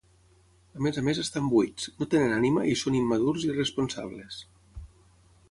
A més a més estan buits, no tenen ànima i són immadurs i irresponsables.